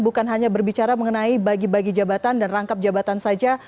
bukan hanya berbicara mengenai bagi bagi jabatan dan rangkap jabatan saja